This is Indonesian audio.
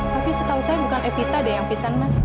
tapi setahu saya bukan evita yang pingsan mas